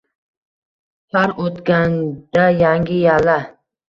Har oʼtganda yangi yalla.